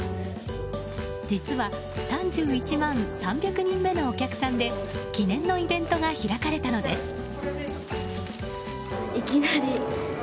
実は３１万３００人目のお客さんで記念のイベントが開かれたのです。